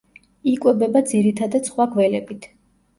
იკვებება ძირითადად სხვა გველებით.